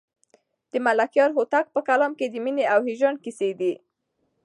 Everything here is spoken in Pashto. د ملکیار هوتک په کلام کې د مینې او هجران کیسې دي.